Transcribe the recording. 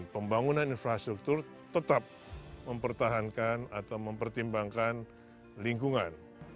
pembangunan infrastruktur tetap mempertahankan atau mempertimbangkan lingkungan